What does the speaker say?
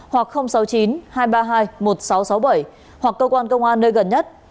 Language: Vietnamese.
hoặc sáu mươi chín hai trăm ba mươi hai một nghìn sáu trăm sáu mươi bảy hoặc cơ quan công an nơi gần nhất